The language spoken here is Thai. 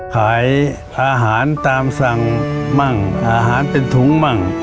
ขายอาหารตามสั่งมั่งอาหารเป็นถุงมั่ง